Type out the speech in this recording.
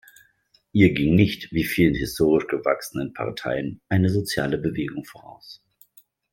Ihr ging nicht, wie vielen historisch gewachsenen Parteien, eine soziale Bewegung voraus.